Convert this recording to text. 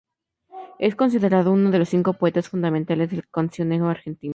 Es considerado uno de los cinco poetas fundamentales del cancionero argentino.